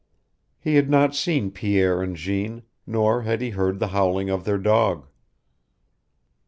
He had not seen Pierre and Jeanne, nor had he heard the howling of their dog.